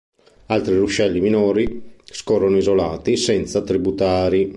Altri ruscelli minori scorrono isolati, senza tributari.